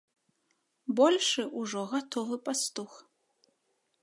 Большы ўжо гатовы пастух.